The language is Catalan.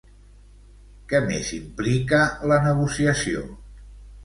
Què més implica la negociació?